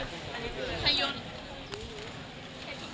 หนักนั่งยนต์